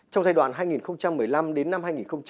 trong giai đoạn hai nghìn một mươi năm đến năm hai nghìn hai mươi